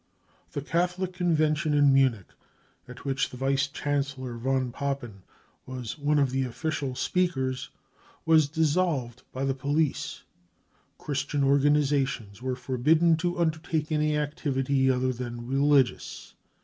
The Catholic convention in Munich, at which the Vice Chancellor von Papen was one of the official speakers, was dissolved by the police. Christian organisations were forbidden to undertake any activity other than religious.